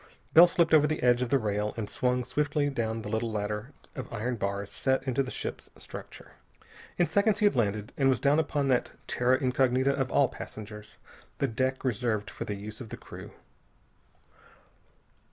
Bell slipped over the edge of the rail and swung swiftly down the little ladder of iron bars set into the ship's structure. In seconds he had landed, and was down upon that terra incognita of all passengers, the deck reserved for the use of the crew.